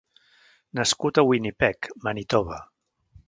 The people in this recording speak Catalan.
Nascut a Winnipeg, Manitoba.